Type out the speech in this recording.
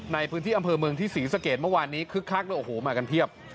ในพื้นที่อำเภอเมืองที่ศรีสะเกดเมื่อวานนี้คึกคักเลยโอ้โหมากันเพียบ